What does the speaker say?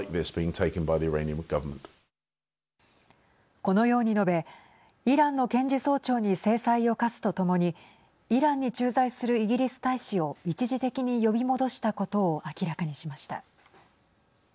このように述べイランの検事総長に制裁を科すとともにイランに駐在するイギリス大使を一時的に呼び戻したことを明らかにしました。